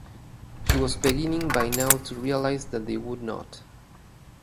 She was beginning by now to realise that they would not.